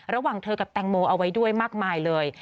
ระหว่างเธอกับแตงโมเอาไว้ด้วยมากมายเลย